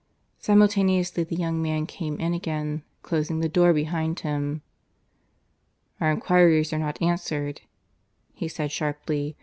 Simultaneously the young man came in again, closing the door behind him. "Our enquiries are not answered," he said sharply.